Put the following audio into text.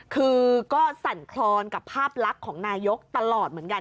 คือก็สั่นคลอนกับภาพลักษณ์ของนายกตลอดเหมือนกัน